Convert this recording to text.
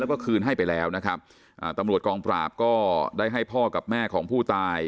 แล้วก็คืนให้ไปแล้วนะครับอ่าตำรวจกองปราบก็ได้ให้พ่อกับแม่ของผู้ตาย